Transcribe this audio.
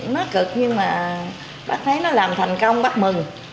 nó cực nhưng mà bác thấy nó làm thành công bác mừng